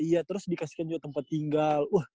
iya terus dikasihkan juga tempat tinggal